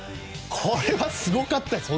これはすごかったです！